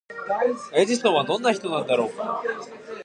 エジソンはどんな人なのだろうか？